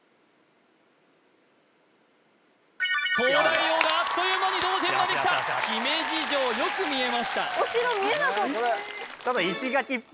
東大王があっという間に同点まできた姫路城よく見えました